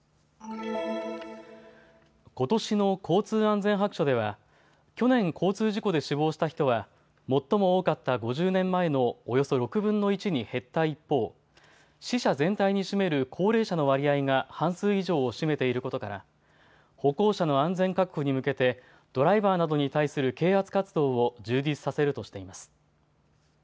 ことしの交通安全白書では去年、交通事故で死亡した人は最も多かった５０年前のおよそ６分の１に減った一方、死者全体に占める高齢者の割合が半数以上を占めていることから歩行者の安全確保に向けてドライバーなどに対する啓発活動を充実させるとしています。